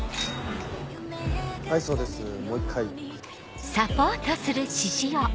はいそうですもう一回。